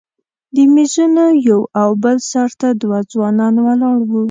د میزونو یو او بل سر ته دوه ځوانان ولاړ وو.